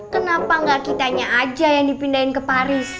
kenapa gak kitanya aja yang dipindahin ke paris